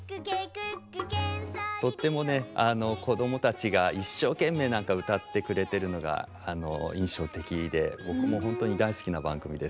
とってもね子供たちが一生懸命歌ってくれてるのが印象的で僕も本当に大好きな番組です。